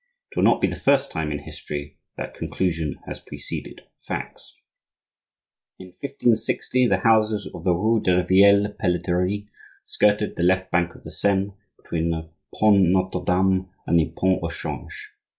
It will not be the first time in history that conclusion has preceded facts. In 1560, the houses of the rue de la Vieille Pelleterie skirted the left bank of the Seine, between the pont Notre Dame and the pont au Change.